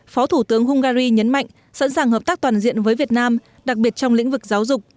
phó thủ tướng hungary nhấn mạnh sẵn sàng hợp tác toàn diện với việt nam đặc biệt trong lĩnh vực giáo dục